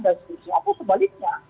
dan apa sebaliknya